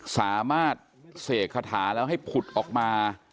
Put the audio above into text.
สามารถเสกคาถาแล้วให้ผุดออกมา